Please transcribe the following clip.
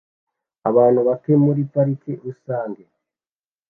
Abantu bake muri parike rusange